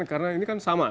karena ini kan sama